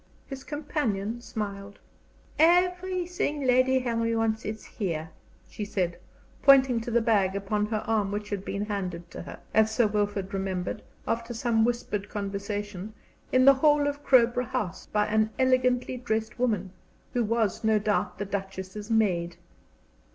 His companion smiled. "Everything Lady Henry wants is here," she said, pointing to the bag upon her arm which had been handed to her, as Sir Wilfrid remembered, after some whispered conversation, in the hall of Crowborough House by an elegantly dressed woman, who was no doubt the Duchess's maid.